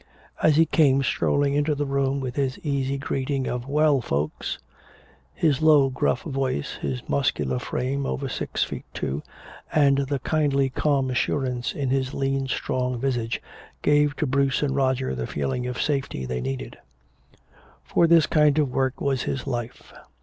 As he came strolling into the room with his easy greeting of "Well, folks " his low gruff voice, his muscular frame, over six feet two, and the kindly calm assurance in his lean strong visage, gave to Bruce and Roger the feeling of safety they needed. For this kind of work was his life.